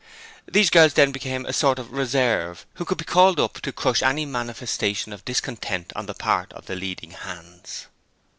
These girls then became a sort of reserve who could be called up to crush any manifestation of discontent on the part of the leading hands.